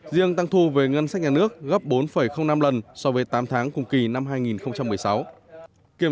riêng tăng thu về ngân sách nhà nước gấp bốn năm lần so với tám tháng cùng kỳ năm hai nghìn một mươi sáu